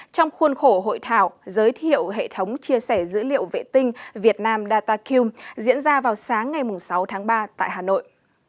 trong khuôn khổ hội thảo giới thiệu hệ thống chia sẻ dữ liệu vệ tinh việt nam dataq diễn ra vào sáng ngày sáu tháng ba tại hà nội